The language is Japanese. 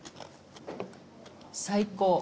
最高。